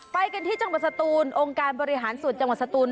ไปกันที่จังหวัดสตูนองค์การบริหารส่วนจังหวัดสตูน